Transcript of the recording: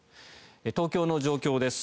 東京の状況です。